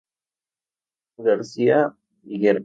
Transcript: García Higuera.